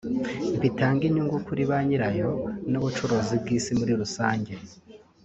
bitange inyungu kuri ba nyirayo n’ubucuruzi bw’isi muri rusange